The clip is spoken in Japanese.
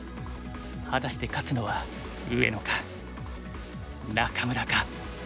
果たして勝つのは上野か仲邑か。